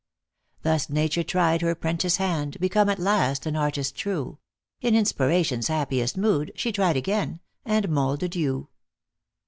Thus Nature tried her prentice hand, Become, at last, an artist true ; In inspiration s happiest mood, She tried again, and moulded you.